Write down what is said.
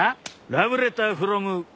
ラブ・レター・フロム・壁。